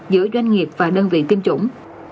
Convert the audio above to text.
giữa doanh nghiệp và đơn vị tiêm chủng